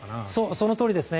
そのとおりですね。